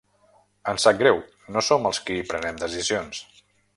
Ens sap greu, no som els qui prenem decisions.